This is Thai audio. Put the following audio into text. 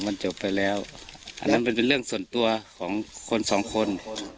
มันจบไปแล้วอันนั้นมันเป็นเรื่องส่วนตัวของคนสองคน